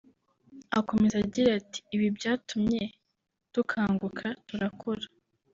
Akomeza agira ati” Ibi byatumye dukanguka turakora